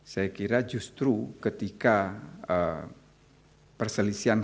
saya kira justru ketika perselisihan